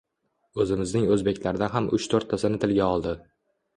O‘zimizning o‘zbeklardan ham uch-to‘rttasini tilga oldi.